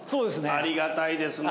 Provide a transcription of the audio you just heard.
ありがたいですね。